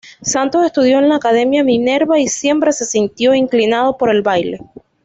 Santos estudió en la Academia Minerva y siempre se sintió inclinado por el baile.